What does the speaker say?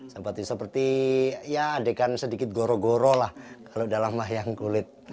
seperti adekan sedikit goro goro lah kalau dalam mayang kulit